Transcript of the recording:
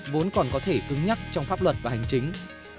vốn còn có thể cứng nhắc trong pháp luật và hành chính